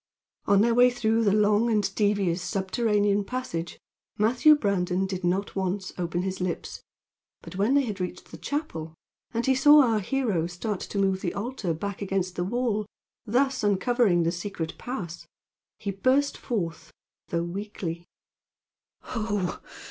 On their way through the long and devious subterranean passage Matthew Brandon did not once open his lips; but when they had reached the chapel, and he saw our hero start to move the altar back against the wall, thus uncovering the secret pass, he burst forth, though weakly: "Oho!